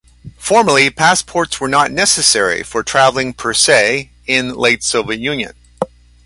Formally, passports were not necessary for traveling per se in late Soviet Union.